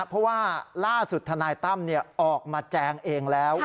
เพราะว่าล่าสุดธนายตั้มออกมาแจงเองแล้ว